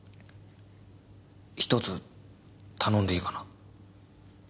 １つ頼んでいいかな？